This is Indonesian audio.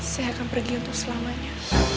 saya akan pergi untuk selamanya